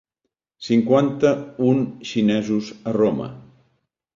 Cinquanta un xinesos a Roma.